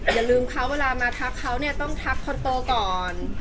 เมื่อมาทักลัวหรือก็ต้องทักคนโตก่อน